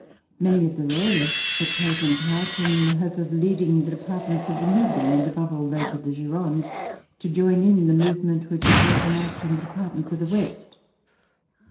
Many of the Royalists had taken j)art, in the hope of leading the Departments of the Midi, and above all those of the Gironde, to join in the movement which had broken out in the Departments of the West.